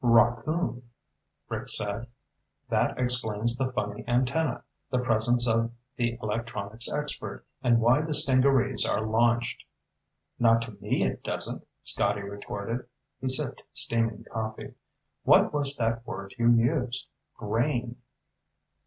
"Rockoon," Rick said. "That explains the funny antenna, the presence of the electronics expert, and why the stingarees are launched." "Not to me, it doesn't," Scotty retorted. He sipped steaming coffee. "What was that word you used? Grain?"